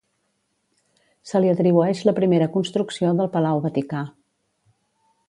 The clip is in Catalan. Se li atribueix la primera construcció del Palau Vaticà.